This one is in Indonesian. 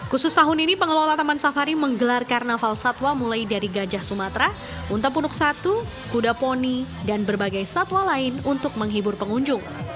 khusus tahun ini pengelola taman safari menggelar karnaval satwa mulai dari gajah sumatera unta punuk satu kuda poni dan berbagai satwa lain untuk menghibur pengunjung